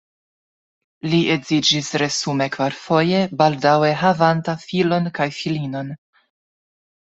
Li edziĝis resume kvarfoje, baldaŭe havanta filon kaj filinon.